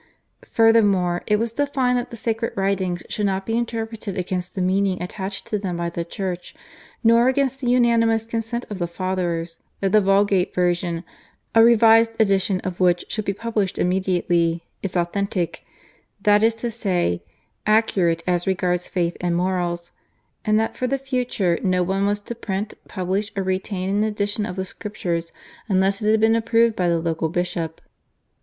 Furthermore, it was defined that the sacred writings should not be interpreted against the meaning attached to them by the Church, nor against the unanimous consent of the Fathers, that the Vulgate Version, a revised edition of which should be published immediately, is authentic, that is to say, accurate as regards faith and morals, and that for the future no one was to print, publish, or retain an edition of the Scriptures unless it had been approved by the local bishop.